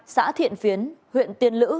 xã thiện phiến huyện tiên lữ